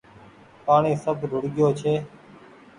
پآڻيٚ سب ڌوڙگيو ڇي